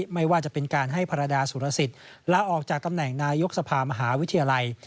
ไม่ว่าจะเป็นการให้ภรรยาสุรสิทธิ์ลาออกจากตำแหน่งนายกสภามหาวิทยาลัย